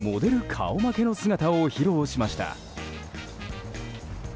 モデル顔負けの姿を披露しました。